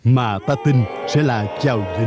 mà ta tin sẽ là chào dịch diễn